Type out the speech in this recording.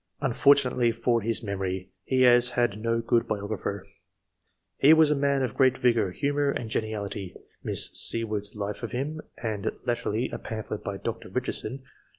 Unfortunately for his memory, he has had no good biographer. He was a man of great vigour, humour and geniality (Miss Seward's life of him, and latterly a pamphlet by Dr. Richardson ; 40 EXGLISH MEN OF SCIENCE, [chap.